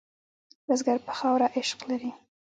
بزګر په خاوره عشق لري